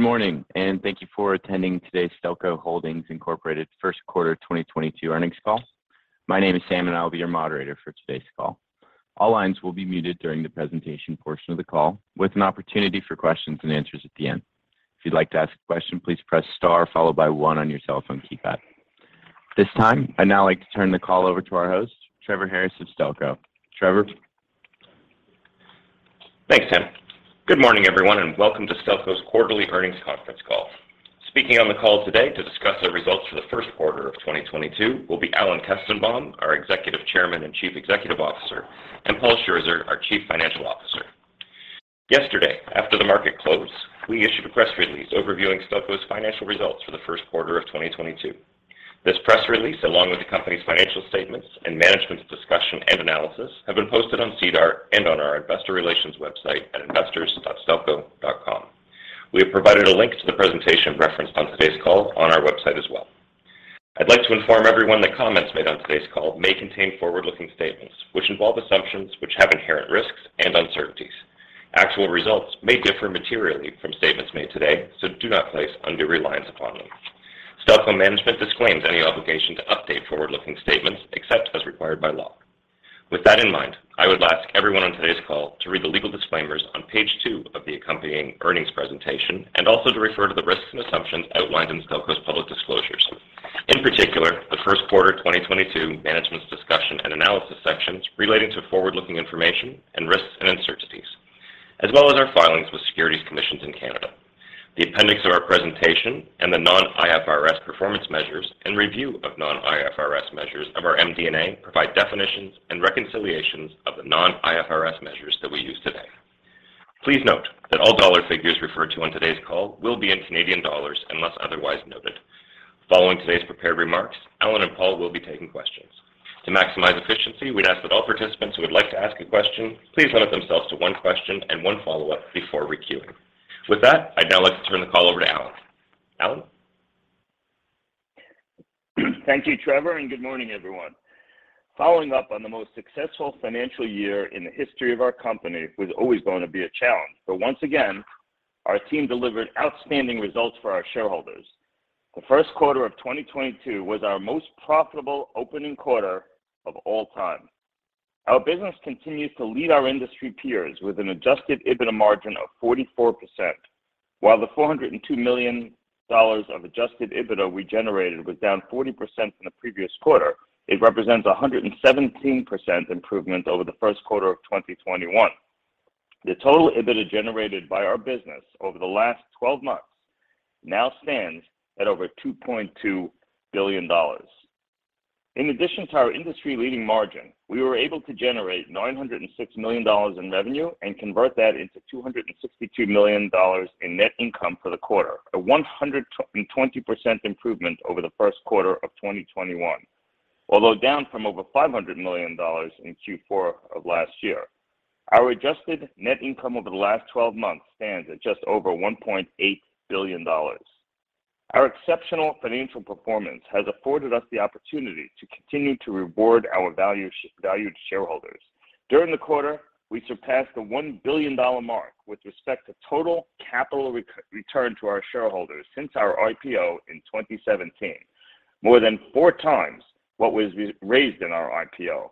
Good morning, and thank you for attending today's Stelco Holdings Inc. first quarter 2022 earnings call. My name is Sam, and I'll be your moderator for today's call. All lines will be muted during the presentation portion of the call, with an opportunity for questions and answers at the end. If you'd like to ask a question, please press star followed by one on your cell phone keypad. At this time, I'd now like to turn the call over to our host, Trevor Harris of Stelco. Trevor? Thanks, Sam. Good morning, everyone, and welcome to Stelco's quarterly earnings conference call. Speaking on the call today to discuss our results for the first quarter of 2022 will be Alan Kestenbaum, our Executive Chairman and Chief Executive Officer, and Paul Scherzer, our Chief Financial Officer. Yesterday, after the market closed, we issued a press release overviewing Stelco's financial results for the first quarter of 2022. This press release, along with the company's financial statements and management's discussion and analysis, have been posted on SEDAR and on our investor relations website at investors.stelco.com. We have provided a link to the presentation referenced on today's call on our website as well. I'd like to inform everyone that comments made on today's call may contain forward-looking statements, which involve assumptions which have inherent risks and uncertainties. Actual results may differ materially from statements made today, so do not place undue reliance upon them. Stelco management disclaims any obligation to update forward-looking statements except as required by law. With that in mind, I would ask everyone on today's call to read the legal disclaimers on page two of the accompanying earnings presentation and also to refer to the risks and assumptions outlined in Stelco's public disclosures. In particular, the first quarter 2022 management's discussion and analysis sections relating to forward-looking information and risks and uncertainties, as well as our filings with securities commissions in Canada. The appendix of our presentation and the non-IFRS performance measures and review of non-IFRS measures of our MD&A provide definitions and reconciliations of the non-IFRS measures that we use today. Please note that all dollar figures referred to on today's call will be in Canadian dollars unless otherwise noted. Following today's prepared remarks, Alan and Paul will be taking questions. To maximize efficiency, we'd ask that all participants who would like to ask a question, please limit themselves to one question and one follow-up before requeuing. With that, I'd now like to turn the call over to Alan. Alan? Thank you, Trevor, and good morning, everyone. Following up on the most successful financial year in the history of our company was always going to be a challenge, but once again, our team delivered outstanding results for our shareholders. The first quarter of 2022 was our most profitable opening quarter of all time. Our business continues to lead our industry peers with an adjusted EBITDA margin of 44%, while the 402 million dollars of adjusted EBITDA we generated was down 40% from the previous quarter. It represents a 117% improvement over the first quarter of 2021. The total EBITDA generated by our business over the last twelve months now stands at over 2.2 billion dollars. In addition to our industry-leading margin, we were able to generate 906 million dollars in revenue and convert that into 262 million dollars in net income for the quarter, a 120% improvement over the first quarter of 2021. Although down from over 500 million dollars in Q4 of last year, our adjusted net income over the last twelve months stands at just over 1.8 billion dollars. Our exceptional financial performance has afforded us the opportunity to continue to reward our valued shareholders. During the quarter, we surpassed the 1 billion dollar mark with respect to total capital return to our shareholders since our IPO in 2017, more than four times what was raised in our IPO.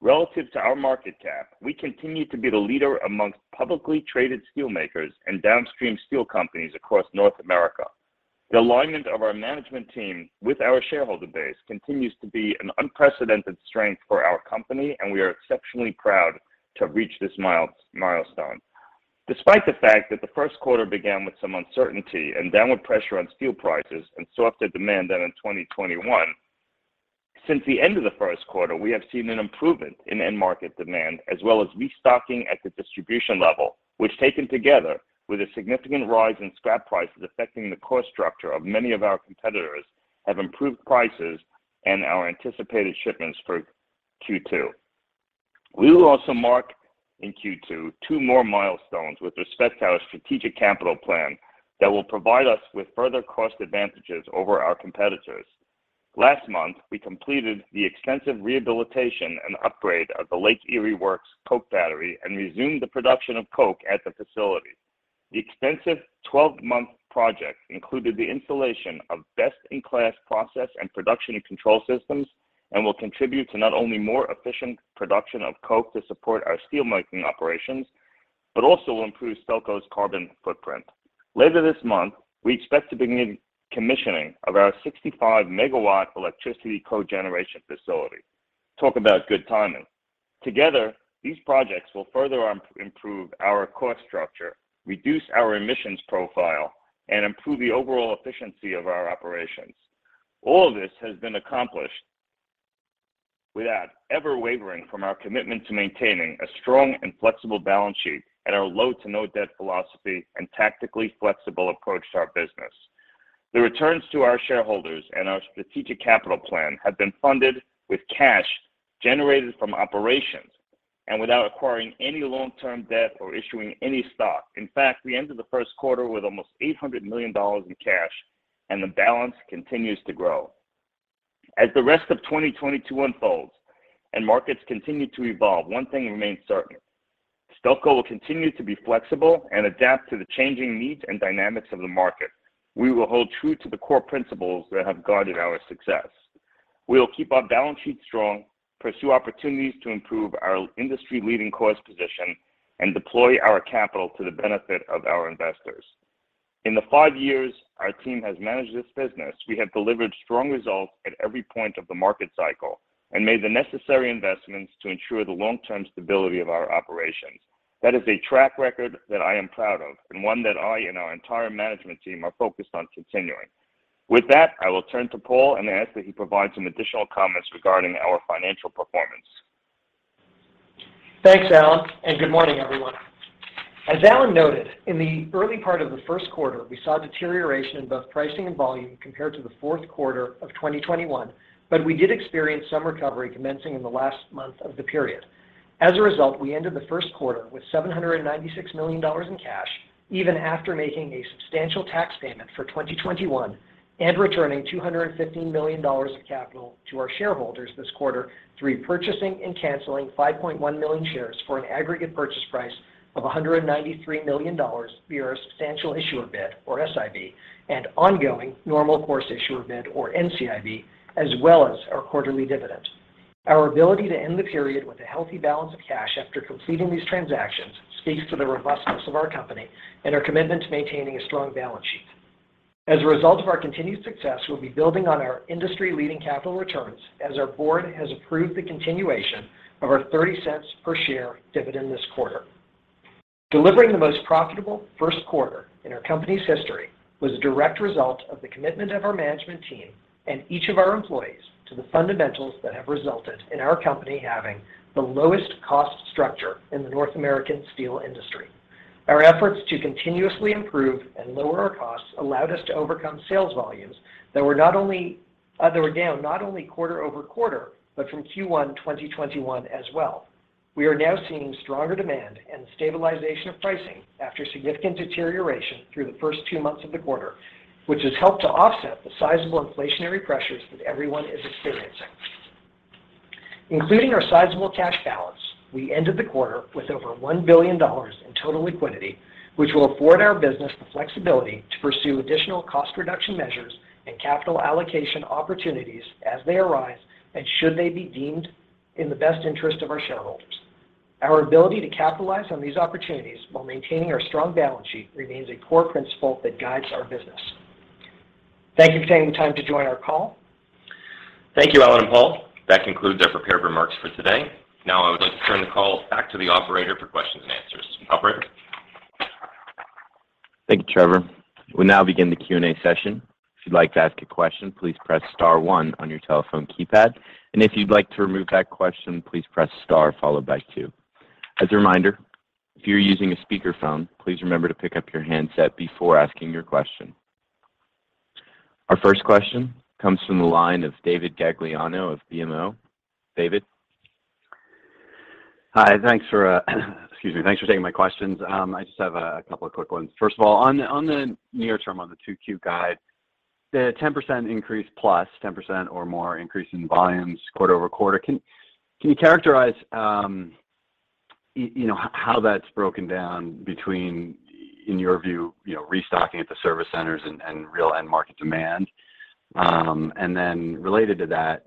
Relative to our market cap, we continue to be the leader among publicly traded steelmakers and downstream steel companies across North America. The alignment of our management team with our shareholder base continues to be an unprecedented strength for our company, and we are exceptionally proud to reach this milestone. Despite the fact that the first quarter began with some uncertainty and downward pressure on steel prices and softer demand than in 2021, since the end of the first quarter, we have seen an improvement in end market demand as well as restocking at the distribution level, which, taken together with a significant rise in scrap prices affecting the cost structure of many of our competitors, have improved prices and our anticipated shipments for Q2. We will also mark in Q2 two more milestones with respect to our strategic capital plan that will provide us with further cost advantages over our competitors. Last month, we completed the extensive rehabilitation and upgrade of the Lake Erie Works coke battery and resumed the production of coke at the facility. The extensive 12-month project included the installation of best-in-class process and production and control systems and will contribute to not only more efficient production of coke to support our steelmaking operations, but also will improve Stelco's carbon footprint. Later this month, we expect to begin commissioning of our 65 MW electricity cogeneration facility. Talk about good timing. Together, these projects will further improve our cost structure, reduce our emissions profile, and improve the overall efficiency of our operations. All this has been accomplished without ever wavering from our commitment to maintaining a strong and flexible balance sheet and our low-to-no-debt philosophy and tactically flexible approach to our business. The returns to our shareholders and our strategic capital plan have been funded with cash generated from operations and without acquiring any long-term debt or issuing any stock. In fact, we ended the first quarter with almost 800 million dollars in cash, and the balance continues to grow. As the rest of 2022 unfolds and markets continue to evolve, one thing remains certain. Stelco will continue to be flexible and adapt to the changing needs and dynamics of the market. We will hold true to the core principles that have guarded our success. We will keep our balance sheet strong, pursue opportunities to improve our industry-leading cost position, and deploy our capital to the benefit of our investors. In the five years our team has managed this business, we have delivered strong results at every point of the market cycle and made the necessary investments to ensure the long-term stability of our operations. That is a track record that I am proud of and one that I and our entire management team are focused on continuing. With that, I will turn to Paul and ask that he provide some additional comments regarding our financial performance. Thanks, Alan, and good morning, everyone. As Alan noted, in the early part of the first quarter, we saw deterioration in both pricing and volume compared to the fourth quarter of 2021, but we did experience some recovery commencing in the last month of the period. As a result, we ended the first quarter with 796 million dollars in cash, even after making a substantial tax payment for 2021 and returning 215 million dollars of capital to our shareholders this quarter through purchasing and canceling 5.1 million shares for an aggregate purchase price of 193 million dollars via our substantial issuer bid, or SIB, and ongoing normal course issuer bid, or NCIB, as well as our quarterly dividend. Our ability to end the period with a healthy balance of cash after completing these transactions speaks to the robustness of our company and our commitment to maintaining a strong balance sheet. As a result of our continued success, we'll be building on our industry-leading capital returns as our board has approved the continuation of our 0.30 per share dividend this quarter. Delivering the most profitable first quarter in our company's history was a direct result of the commitment of our management team and each of our employees to the fundamentals that have resulted in our company having the lowest cost structure in the North American steel industry. Our efforts to continuously improve and lower our costs allowed us to overcome sales volumes that were down not only quarter-over-quarter, but from Q1 2021 as well. We are now seeing stronger demand and stabilization of pricing after significant deterioration through the first two months of the quarter, which has helped to offset the sizable inflationary pressures that everyone is experiencing. Including our sizable cash balance, we ended the quarter with over 1 billion dollars in total liquidity, which will afford our business the flexibility to pursue additional cost reduction measures and capital allocation opportunities as they arise and should they be deemed in the best interest of our shareholders. Our ability to capitalize on these opportunities while maintaining our strong balance sheet remains a core principle that guides our business. Thank you for taking the time to join our call. Thank you, Alan and Paul. That concludes our prepared remarks for today. Now I would like to turn the call back to the operator for questions and answers. Operator? Thank you, Trevor. We'll now begin the Q&A session. If you'd like to ask a question, please press star one on your telephone keypad. If you'd like to remove that question, please press star followed by two. As a reminder, if you're using a speakerphone, please remember to pick up your handset before asking your question. Our first question comes from the line of David Gagliano of BMO. David? Hi, excuse me, thanks for taking my questions. I just have a couple of quick ones. First of all, on the near term, on the 2Q guide, the 10% increase plus, 10% or more increase in volumes quarter-over-quarter, can you characterize you know how that's broken down between, in your view, you know, restocking at the service centers and real end market demand? And then related to that,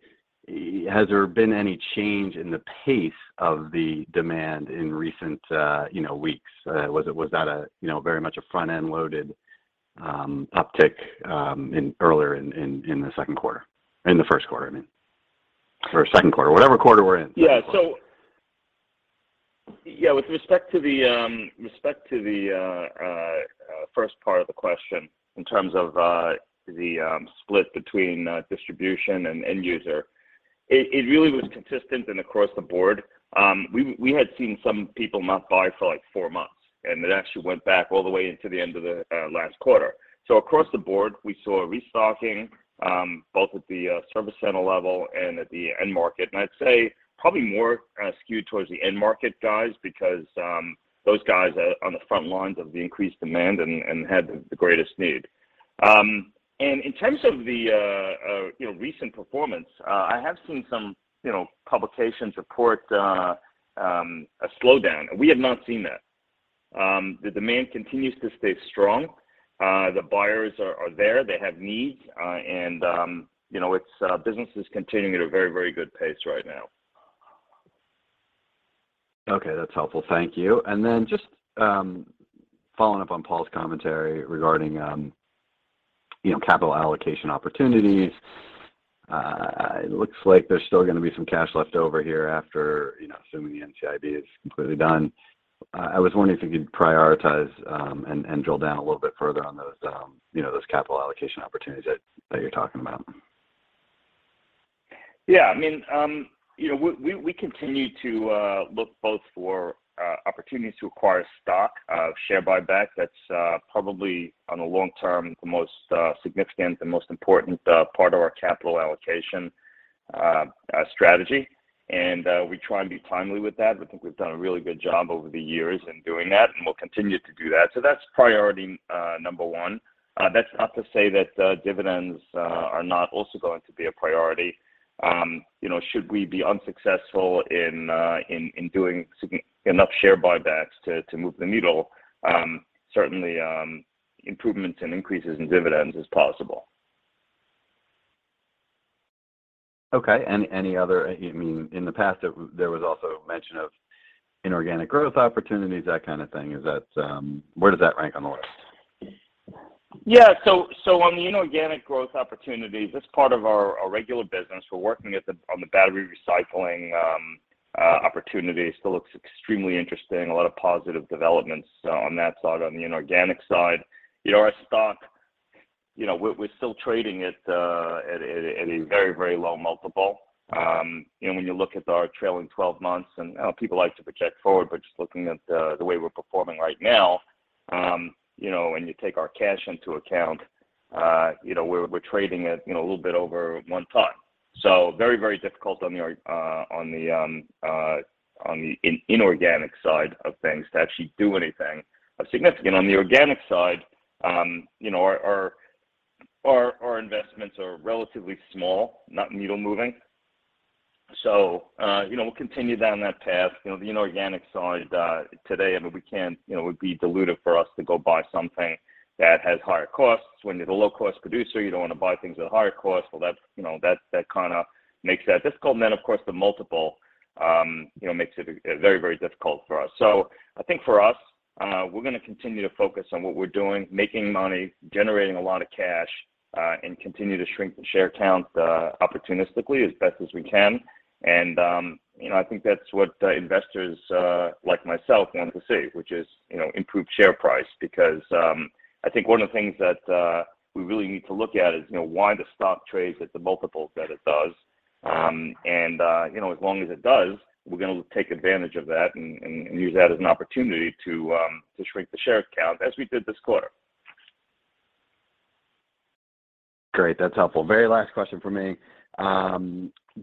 has there been any change in the pace of the demand in recent you know weeks? Was that a you know very much a front-end loaded uptick in earlier in the second quarter? In the first quarter, I mean. Or second quarter. Whatever quarter we're in. Yeah. Yeah, with respect to the first part of the question in terms of the split between distribution and end user, it really was consistent and across the board. We had seen some people not buy for, like, four months, and it actually went back all the way into the end of the last quarter. Across the board, we saw restocking both at the service center level and at the end market. I'd say probably more skewed towards the end market guys because those guys are on the front lines of the increased demand and had the greatest need. In terms of the, you know, recent performance, I have seen some, you know, publications report a slowdown, and we have not seen that. The demand continues to stay strong. The buyers are there, they have needs, and, you know, it's business is continuing at a very good pace right now. Okay, that's helpful. Thank you. Just following up on Paul's commentary regarding you know, capital allocation opportunities, it looks like there's still gonna be some cash left over here after, you know, assuming the NCIB is completely done. I was wondering if you could prioritize and drill down a little bit further on those, you know, those capital allocation opportunities that you're talking about. Yeah, I mean, you know, we continue to look both for opportunities to acquire stock, share buyback. That's probably on the long term, the most significant and most important part of our capital allocation. Our strategy. We try and be timely with that. We think we've done a really good job over the years in doing that, and we'll continue to do that. That's priority number one. That's not to say that dividends are not also going to be a priority. You know, should we be unsuccessful in doing enough share buybacks to move the needle, certainly improvements and increases in dividends is possible. Okay. Any other, you know what I mean, in the past, there was also mention of inorganic growth opportunities, that kind of thing. Is that where does that rank on the list? Yeah. On the inorganic growth opportunities, that's part of our regular business. We're working on the battery recycling opportunity. Still looks extremely interesting. A lot of positive developments on that side, on the inorganic side. You know, our stock, you know, we're still trading at a very low multiple. You know, when you look at our trailing twelve months, and you know, people like to project forward, but just looking at the way we're performing right now, you know, when you take our cash into account, you know, we're trading at a little bit over 1x. Very difficult on the inorganic side of things to actually do anything significant. On the organic side, our investments are relatively small, not needle moving. We'll continue down that path. You know, the inorganic side, today, it would be dilutive for us to go buy something that has higher costs. When you're the low cost producer, you don't wanna buy things at a higher cost. Well, that's, you know, that kinda makes that difficult. Of course, the multiple, you know, makes it very, very difficult for us. I think for us, we're gonna continue to focus on what we're doing, making money, generating a lot of cash, and continue to shrink the share count, opportunistically as best as we can. You know, I think that's what investors like myself want to see, which is, you know, improved share price. Because I think one of the things that we really need to look at is, you know, why the stock trades at the multiples that it does. You know, as long as it does, we're gonna take advantage of that and use that as an opportunity to shrink the share count as we did this quarter. Great. That's helpful. Very last question from me.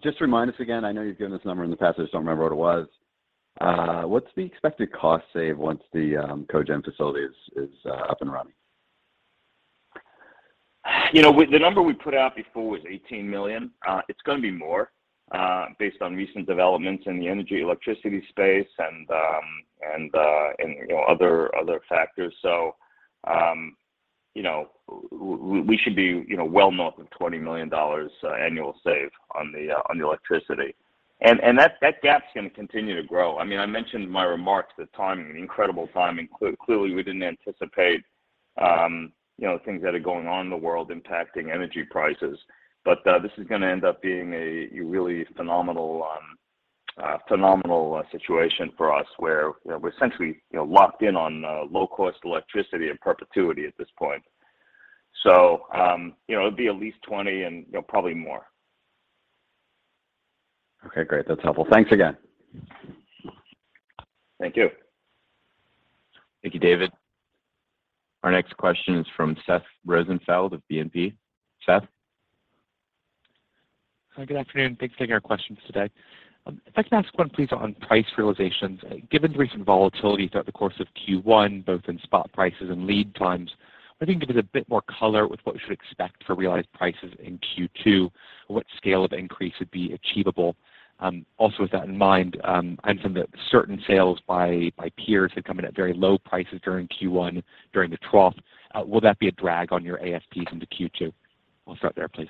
Just remind us again, I know you've given this number in the past, I just don't remember what it was. What's the expected cost savings once the cogen facility is up and running? You know, the number we put out before was 18 million. It's gonna be more, based on recent developments in the energy electricity space and, you know, other factors. You know, we should be, you know, well north of 20 million dollars annual save on the electricity. That gap's gonna continue to grow. I mean, I mentioned in my remarks the timing, the incredible timing. Clearly we didn't anticipate, you know, things that are going on in the world impacting energy prices. This is gonna end up being a really phenomenal situation for us where, you know, we're essentially, you know, locked in on low cost electricity in perpetuity at this point. You know, it'll be at least 20 and, you know, probably more. Okay, great. That's helpful. Thanks again. Thank you. Thank you, David. Our next question is from Seth Rosenfeld of BNP. Seth? Hi. Good afternoon. Thanks for taking our questions today. If I could ask one please on price realizations. Given the recent volatility throughout the course of Q1, both in spot prices and lead times, are you thinking there's a bit more color with what we should expect for realized prices in Q2? What scale of increase would be achievable? Also with that in mind, and some of the certain sales by peers had come in at very low prices during Q1 during the trough, will that be a drag on your ASPs into Q2? We'll start there, please.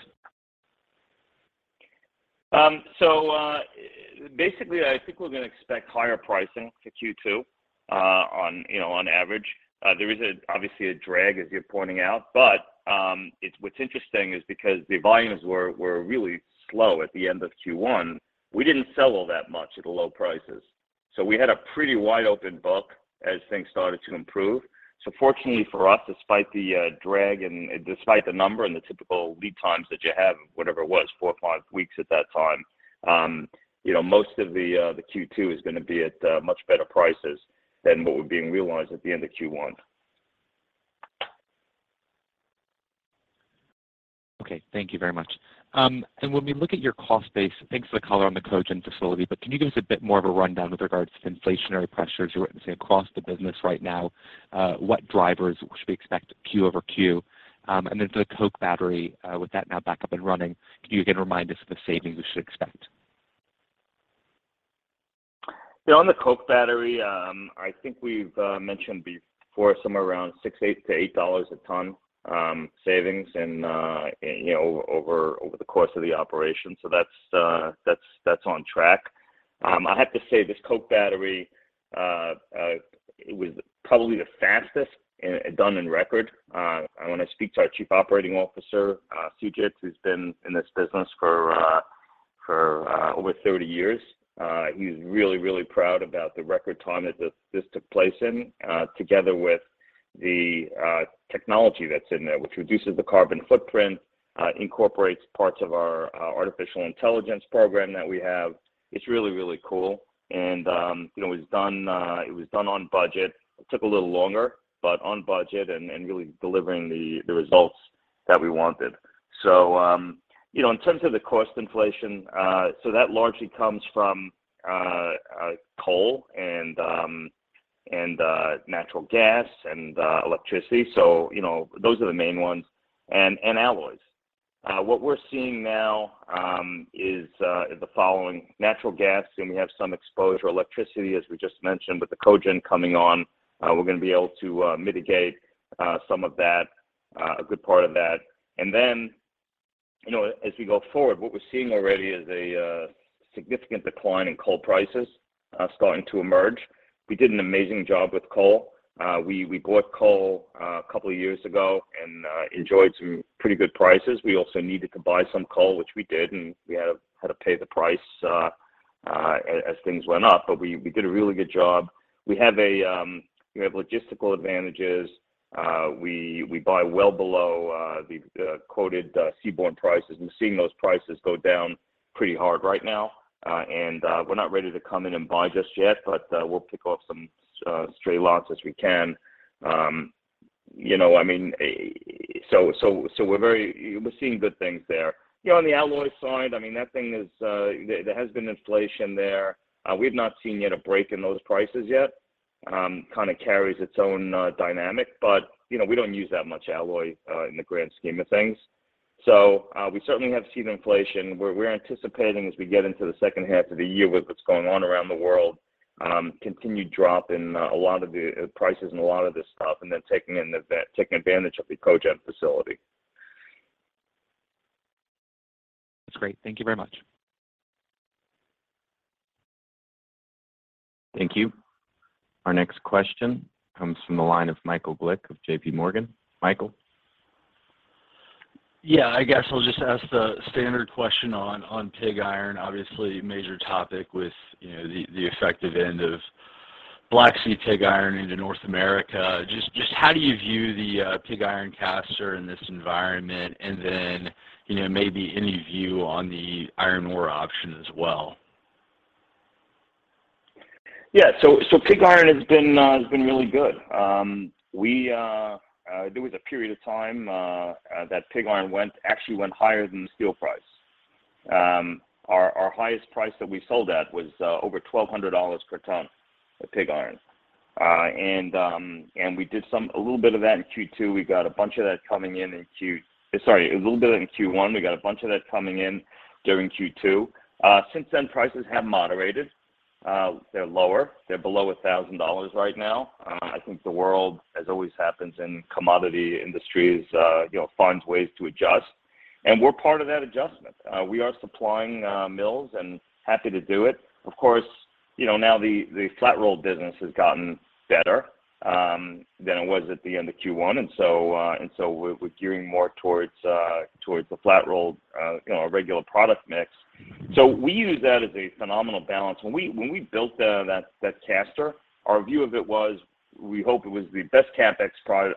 Basically, I think we're gonna expect higher pricing for Q2, on, you know, on average. There is obviously a drag as you're pointing out, but it's what's interesting is because the volumes were really slow at the end of Q1, we didn't sell all that much at the low prices. We had a pretty wide open book as things started to improve. Fortunately for us, despite the drag and despite the number and the typical lead times that you have, whatever it was, four or five weeks at that time, you know, most of the Q2 is gonna be at much better prices than what were being realized at the end of Q1. Okay. Thank you very much. When we look at your cost base, thanks for the color on the cogen facility, but can you give us a bit more of a rundown with regards to inflationary pressures, you know what I'm saying? Across the business right now, what drivers should we expect Q over Q? The coke battery with that now back up and running, can you again remind us of the savings we should expect? Yeah, on the coke battery, I think we've mentioned before somewhere around 68-80 dollars a ton savings and, you know, over the course of the operation. That's on track. I have to say, this coke battery, it was probably the fastest done in record. I want to speak to our Chief Operating Officer, Sujit, who's been in this business for over 30 years. He's really proud about the record time that this took place in, together with the technology that's in there, which reduces the carbon footprint, incorporates parts of our artificial intelligence program that we have. It's really cool and, you know, it was done on budget. It took a little longer, but on budget and really delivering the results that we wanted. You know, in terms of the cost inflation, that largely comes from coal and natural gas and electricity. You know, those are the main ones, and alloys. What we're seeing now is the following. Natural gas, again, we have some exposure. Electricity, as we just mentioned, with the cogen coming on, we're gonna be able to mitigate some of that, a good part of that. You know, as we go forward, what we're seeing already is a significant decline in coal prices starting to emerge. We did an amazing job with coal. We bought coal a couple years ago and enjoyed some pretty good prices. We also needed to buy some coal, which we did, and we had to pay the price as things went up. We did a really good job. We have logistical advantages. We buy well below the quoted seaborne prices. We're seeing those prices go down pretty hard right now. We're not ready to come in and buy just yet, but we'll pick off some stray lots as we can. You know, I mean. We're seeing good things there. You know, on the alloy side, I mean. There has been inflation there. We've not seen yet a break in those prices yet. Kind of carries its own dynamic, but, you know, we don't use that much alloy in the grand scheme of things. So, we certainly have seen inflation. We're anticipating as we get into the second half of the year with what's going on around the world, continued drop in a lot of the prices and a lot of this stuff, and then taking advantage of the cogen facility. That's great. Thank you very much. Thank you. Our next question comes from the line of Michael Glick of JPMorgan. Michael? Yeah. I guess I'll just ask the standard question on pig iron. Obviously, a major topic with, you know, the effective end of Black Sea pig iron into North America. Just how do you view the pig iron caster in this environment? And then, you know, maybe any view on the iron ore option as well. Yeah. Pig iron has been really good. There was a period of time that pig iron actually went higher than the steel price. Our highest price that we sold at was over $1,200 per ton of pig iron. We did a little bit of that in Q1. We got a bunch of that coming in during Q2. Since then, prices have moderated. They're lower. They're below $1,000 right now. I think the world, as always happens in commodity industries, you know, finds ways to adjust, and we're part of that adjustment. We are supplying mills and happy to do it. Of course, you know, now the flat-rolled business has gotten better than it was at the end of Q1, and so we're gearing more towards the flat-rolled, you know, our regular product mix. We use that as a phenomenal balance. When we built that caster, our view of it was we hope it was the best CapEx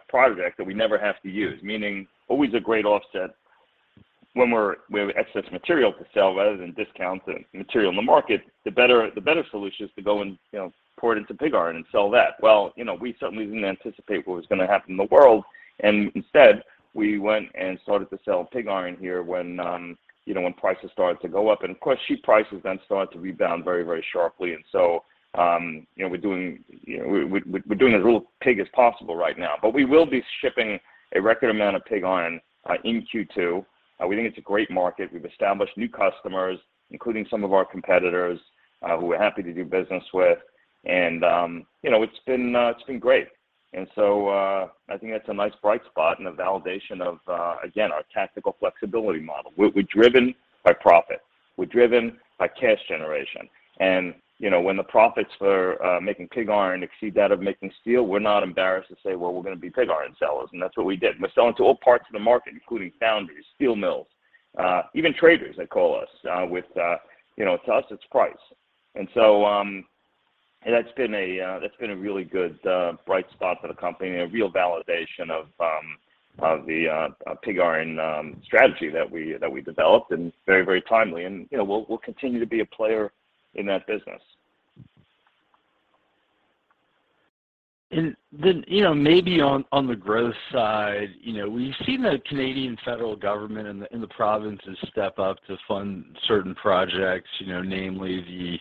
project that we never have to use, meaning always a great offset when we have excess material to sell rather than discount the material in the market. The better solution is to go and, you know, pour it into pig iron and sell that. Well, you know, we certainly didn't anticipate what was gonna happen in the world, and instead, we went and started to sell pig iron here when, you know, when prices started to go up. Of course, sheet prices then started to rebound very, very sharply. You know, we're doing as little pig as possible right now. But we will be shipping a record amount of pig iron in Q2. We think it's a great market. We've established new customers, including some of our competitors who we're happy to do business with. You know, it's been great. I think that's a nice bright spot and a validation of, again, our tactical flexibility model. We're driven by profit. We're driven by cash generation. You know, when the profits for making pig iron exceed that of making steel, we're not embarrassed to say, "Well, we're gonna be pig iron sellers." That's what we did. We're selling to all parts of the market, including foundries, steel mills, even traders that call us with, you know. To us, it's price. That's been a really good bright spot for the company and a real validation of the pig iron strategy that we developed, and very, very timely. You know, we'll continue to be a player in that business. Then, you know, maybe on the growth side, you know, we've seen the Canadian federal government and the provinces step up to fund certain projects, you know, namely the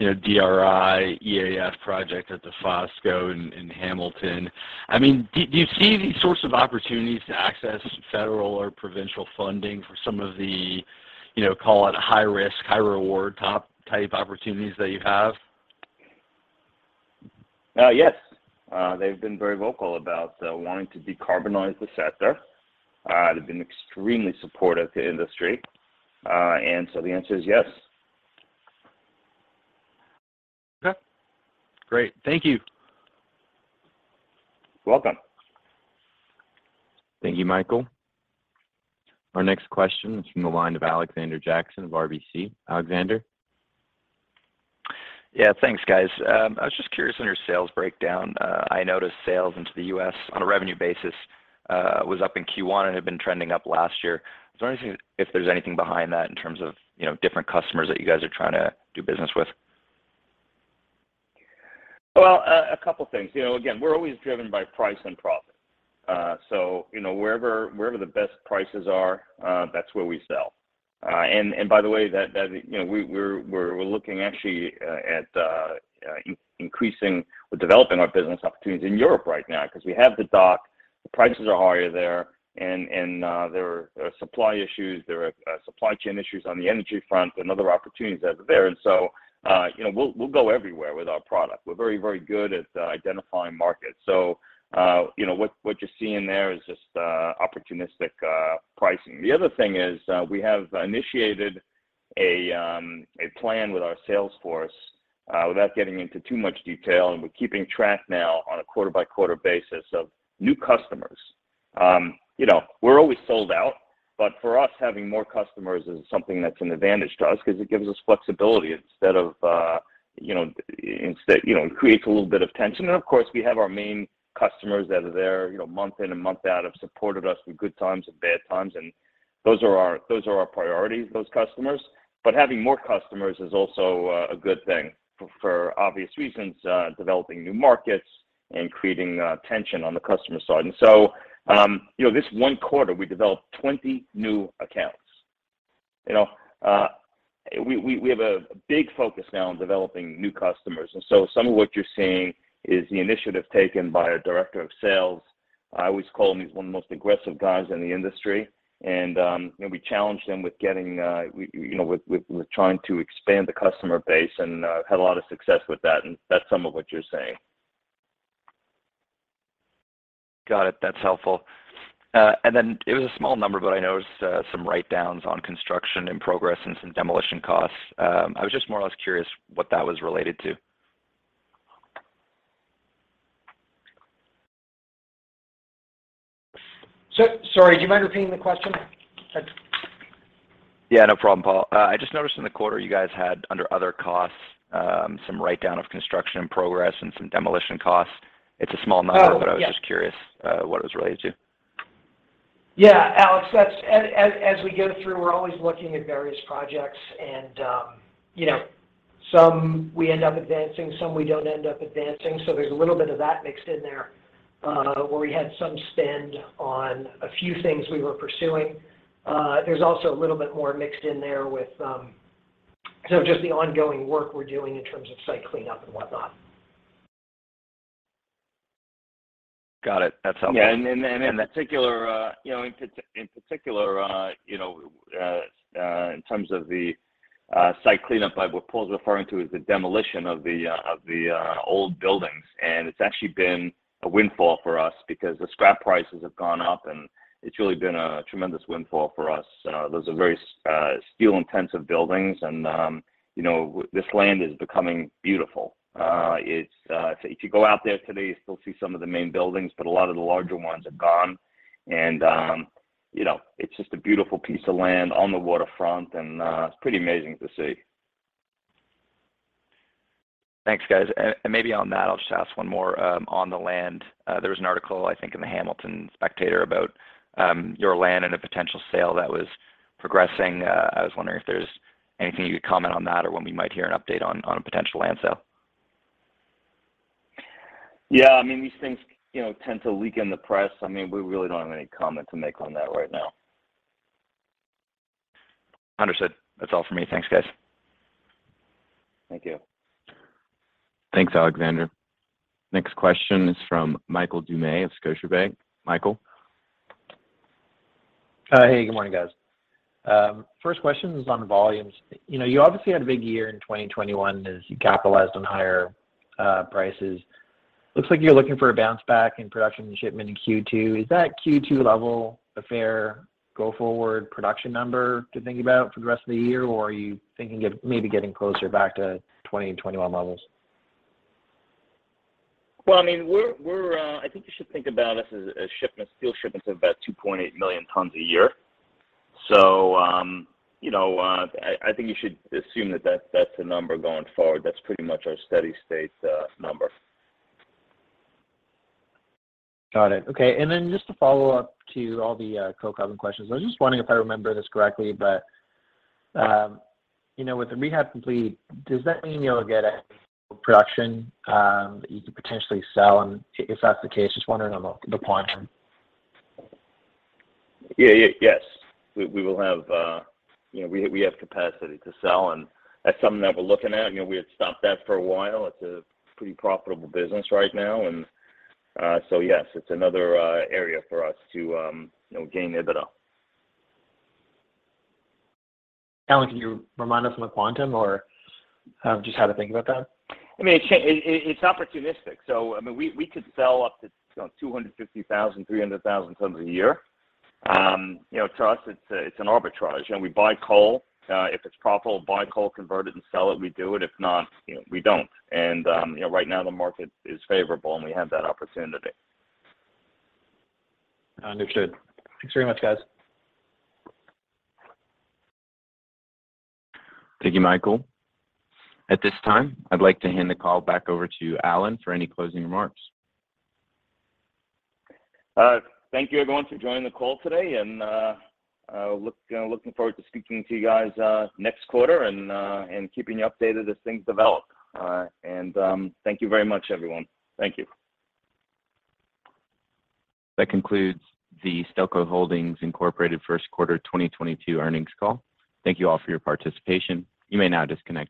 DRI, EAF project at Dofasco in Hamilton. I mean, do you see these sorts of opportunities to access federal or provincial funding for some of the, you know, call it high risk, high reward top-type opportunities that you have? Yes. They've been very vocal about wanting to decarbonize the sector. They've been extremely supportive to industry. The answer is yes. Okay. Great. Thank you. You're welcome. Thank you, Michael. Our next question is from the line of Alexander Jackson of RBC. Alexander? Yeah. Thanks, guys. I was just curious on your sales breakdown. I noticed sales into the U.S. on a revenue basis was up in Q1 and had been trending up last year. I was wondering if there's anything behind that in terms of, you know, different customers that you guys are trying to do business with? Well, a couple things. You know, again, we're always driven by price and profit. So, you know, wherever the best prices are, that's where we sell. And by the way, that. You know, we're looking actually at increasing or developing our business opportunities in Europe right now, 'cause we have the dock, the prices are higher there, and there are supply issues, there are supply chain issues on the energy front and other opportunities that are there. You know, we'll go everywhere with our product. We're very good at identifying markets. You know, what you're seeing there is just opportunistic pricing. The other thing is, we have initiated a plan with our sales force, without getting into too much detail, and we're keeping track now on a quarter-by-quarter basis of new customers. You know, we're always sold out, but for us, having more customers is something that's an advantage to us, 'cause it gives us flexibility instead of, you know, it creates a little bit of tension. Of course, we have our main customers that are there, you know, month in and month out, have supported us through good times and bad times, and those are our priorities, those customers. Having more customers is also a good thing for obvious reasons, developing new markets and creating tension on the customer side. You know, this one quarter, we developed 20 new accounts. You know, we have a big focus now on developing new customers, and so some of what you're seeing is the initiative taken by our director of sales. I always call him, he's one of the most aggressive guys in the industry. You know, we challenged him with trying to expand the customer base and had a lot of success with that, and that's some of what you're seeing. Got it. That's helpful. It was a small number, but I noticed some write-downs on construction and progress and some demolition costs. I was just more or less curious what that was related to. Sorry, do you mind repeating the question? Sorry. Yeah, no problem, Paul. I just noticed in the quarter you guys had under other costs, some write-down of construction progress and some demolition costs. It's a small number. Oh, yes. I was just curious what it was related to? Yeah, Alex, that's as we go through, we're always looking at various projects and, you know, some we end up advancing, some we don't end up advancing. There's a little bit of that mixed in there, where we had some spend on a few things we were pursuing. There's also a little bit more mixed in there with, so just the ongoing work we're doing in terms of site cleanup and whatnot. Got it. That's helpful. In particular, you know, in terms of the site cleanup, what Paul's referring to is the demolition of the old buildings, and it's actually been a windfall for us because the scrap prices have gone up, and it's really been a tremendous windfall for us. Those are very steel intensive buildings, and you know, this land is becoming beautiful. If you go out there today, you still see some of the main buildings, but a lot of the larger ones are gone, and you know, it's just a beautiful piece of land on the waterfront, and it's pretty amazing to see. Thanks, guys. Maybe on that, I'll just ask one more on the land. There was an article, I think, in the Hamilton Spectator about your land and a potential sale that was progressing. I was wondering if there's anything you could comment on that or when we might hear an update on a potential land sale. Yeah. I mean, these things, you know, tend to leak in the press. I mean, we really don't have any comment to make on that right now. Understood. That's all for me. Thanks, guys. Thank you. Thanks, Alexander. Next question is from Michael Doumet of Scotiabank. Michael? Hey, good morning, guys. First question is on volumes. You know, you obviously had a big year in 2021 as you capitalized on higher prices. Looks like you're looking for a bounce back in production and shipment in Q2. Is that Q2 level a fair go forward production number to think about for the rest of the year? Or are you thinking of maybe getting closer back to 2021 levels? Well, I mean, we're. I think you should think about us as a shipment, steel shipments of about 2.8 million tons a year. You know, I think you should assume that that's the number going forward. That's pretty much our steady state number. Got it. Okay. Just to follow up to all the coke oven questions. I was just wondering if I remember this correctly, but you know, with the rehab complete, does that mean you'll get a production that you could potentially sell? If that's the case, just wondering on the quantum. Yeah. Yes. We will have. You know, we have capacity to sell, and that's something that we're looking at. You know, we had stopped that for a while. It's a pretty profitable business right now, and so yes, it's another area for us to, you know, gain EBITDA. Alan, can you remind us on the quantum or just how to think about that? I mean, it's opportunistic. I mean, we could sell up to, you know, 250,000, 300,000 tons a year. You know, to us it's an arbitrage. You know, we buy coal. If it's profitable, buy coal, convert it, and sell it, we do it. If not, you know, we don't. You know, right now the market is favorable, and we have that opportunity. Understood. Thanks very much, guys. Thank you, Michael. At this time, I'd like to hand the call back over to Alan for any closing remarks. Thank you everyone for joining the call today, and looking forward to speaking to you guys next quarter and keeping you updated as things develop. Thank you very much, everyone. Thank you. That concludes the Stelco Holdings Inc. first quarter 2022 earnings call. Thank you all for your participation. You may now disconnect your-